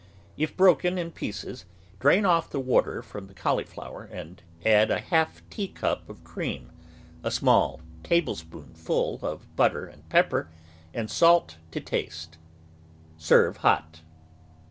If broken in pieces, drain off the water from the cauliflower and add a half teacup of cream, a small tablespoonful of butter and pepper, and salt to taste. Serve hot.